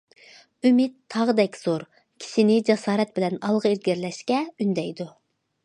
ئۈمىد تاغدەك زور، كىشىنى جاسارەت بىلەن ئالغا ئىلگىرىلەشكە ئۈندەيدۇ.